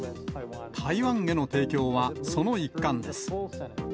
台湾への提供は、その一環です。